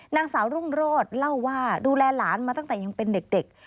นางสาวรุ่งโรธเล่าว่าดูแลหลานมาตั้งแต่ยังเป็นเด็ก